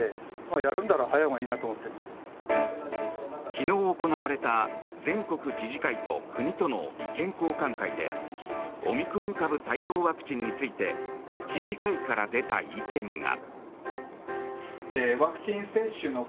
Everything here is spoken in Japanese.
昨日行われた全国知事会と国との意見交換会でオミクロン株対応ワクチンについて知事会から出た意見が。